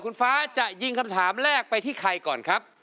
คุณฟ้าจะยิงคำถามแรกไปที่ใครก่อนครับ